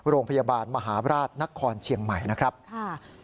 โรงพยาบาลมหาราชนครเชียงใหม่นะครับค่ะ